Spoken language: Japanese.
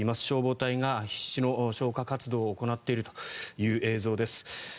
消防隊が必死の消火活動を行っているという映像です。